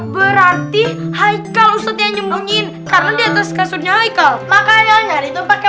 berarti hai kalau setiap nyembunyi karena di atas kasurnya hai kalau makanya itu pakai